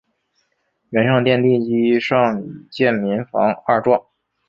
原上殿地基上已建民房二幢。